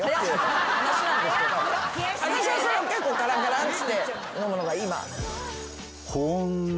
私はそれをカランカランっつって飲むのが今。